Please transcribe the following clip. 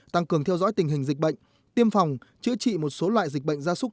tăng cường theo dõi tình hình dịch bệnh tiêm phòng chữa trị một số loại dịch bệnh gia súc